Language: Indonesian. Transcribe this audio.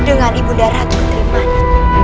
dengan ibu darat putri mani